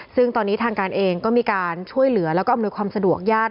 ซึ่งตอนนี้ทางการเองก็มีการช่วยเหลือแล้วก็อำนวยความสะดวกญาติ